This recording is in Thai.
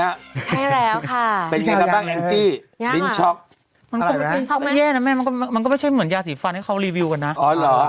ใช่แล้วค่ะเป็นไงกันบ้างแอนจี่มิ้นท์ช็อคแย่นะแม่มันก็ไม่ใช่เหมือนยาสีฟันให้เขาเรวิวกันนะอ๋อเหรอ